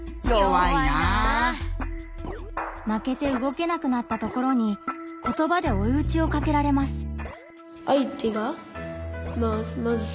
負けてうごけなくなったところに言葉でおいうちをかけられます。